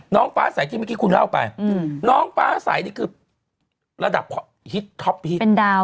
น้องฟ้าใสที่เมื่อกี้คุณเล่าไปน้องฟ้าใสนี่คือระดับฮิตท็อปฮิต